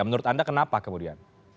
menurut anda kenapa kemudian